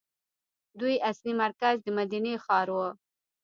دوی اصلي مرکز د مدینې ښار وو.